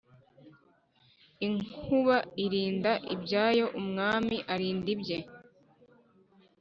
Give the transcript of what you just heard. inkuba irinda ibyayo umwami arinda ibye